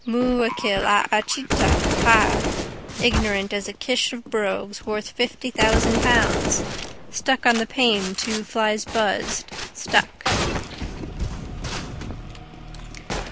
Moooikill A Aitcha Ha ignorant as a kish of brogues, worth fifty thousand pounds. Stuck on the pane two flies buzzed, stuck.